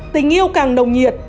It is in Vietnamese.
tình yêu càng nồng nhiệt